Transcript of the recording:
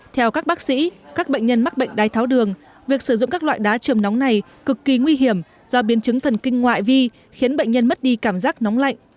theo các bác sĩ các bệnh nhân mắc bệnh đái tháo đường việc sử dụng các loại đá trường nóng này cực kỳ nguy hiểm do biến chứng thần kinh ngoại vi khiến bệnh nhân mất đi cảm giác nóng lạnh